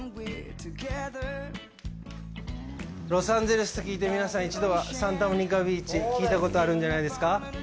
ロサンゼルスと聞いて皆さん一度はサンタモニカビーチ、聞いたことがあるんじゃないですか。